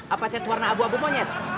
apa cat warna abu abu monyet